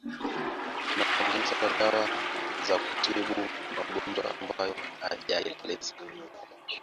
na kutengeneza dawa za kutibu magonjwa ambayo hajaeleza